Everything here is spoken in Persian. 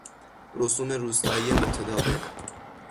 رسوم روستایی متداول